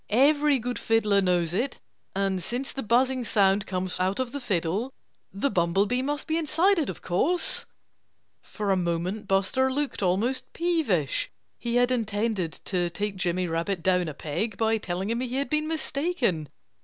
Every good fiddler knows it. And since the buzzing sound comes out of the fiddle, the bumblebee must be inside it, of course." For a moment Buster looked almost peevish. He had intended to take Jimmy Rabbit down a peg by telling him he had been mistaken.